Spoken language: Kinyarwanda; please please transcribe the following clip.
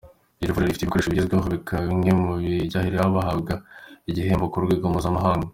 Iri vuriro rifite ibikoresho bigezweho, bikaba bimwe mu byahereweho bahabwa igihembo ku rwego mpuzamahanga.